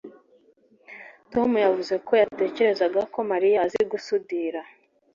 tom yavuze ko yatekerezaga ko mariya azi gusudira